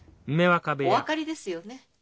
お分かりですよね？